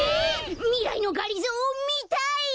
みらいのがりぞーみたい！